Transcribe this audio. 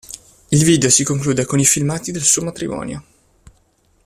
Il video si conclude con i filmati del suo matrimonio.